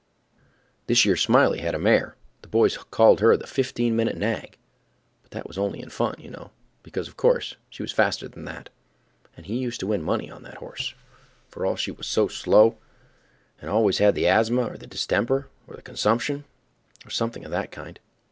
'" Thish yer Smiley had a mare—the boys called her the fifteen minute nag, but that was only in fun, you know, because, of course, she was faster than that—and he used to win money on that horse, for all she was so slow and always had the asthma, or the distemper, or the consumption, or something of that kind.